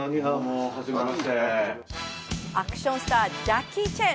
アクションスター、ジャッキー・チェン！